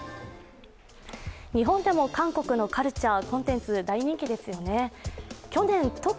日本でも韓国のカルチャー、コンテンツ、大人気ですよね。